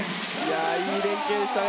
いい連係でしたね